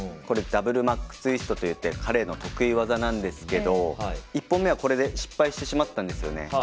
これダブルマックツイストといって彼の得意技なんですけど１本目は、これで失敗してしまったんですよね。